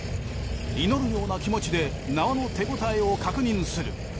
祈るような気持ちで縄の手応えを確認する。